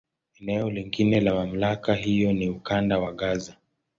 Eneo lingine la MamlakA hiyo ni Ukanda wa Gaza.